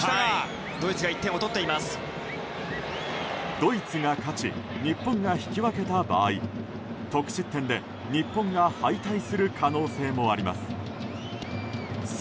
ドイツが勝ち日本が引き分けた場合得失点で日本が敗退する可能性もあります。